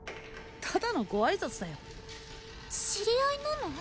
ただのご挨拶だよ知り合いなの？